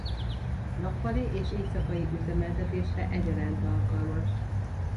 Nappali és éjszakai üzemeltetésre egyaránt alkalmas.